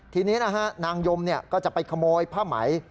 ทีนี้นะฮะนางยมก็จะไปขโมยผ้าไหม